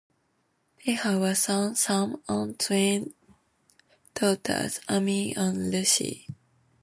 They have a son, Sam, and twin daughters, Amy and Lucy.